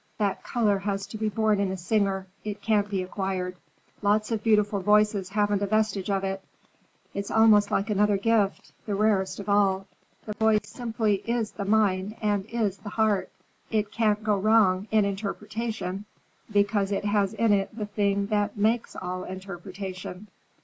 That color has to be born in a singer, it can't be acquired; lots of beautiful voices haven't a vestige of it. It's almost like another gift—the rarest of all. The voice simply is the mind and is the heart. It can't go wrong in interpretation, because it has in it the thing that makes all interpretation.